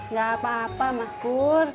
nggak apa apa mas pur